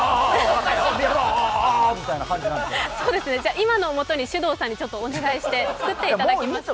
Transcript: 今のをもとにｓｙｕｄｏｕさんにお願いして作っていただきますか？